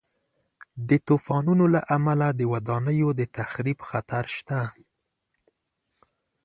د طوفانونو له امله د ودانیو د تخریب خطر شته.